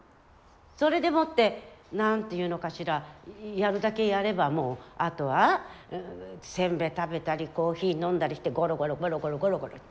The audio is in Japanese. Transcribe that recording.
それでもって何て言うのかしらやるだけやればもうあとはせんべい食べたりコーヒー飲んだりしてゴロゴロゴロゴロゴロゴロって。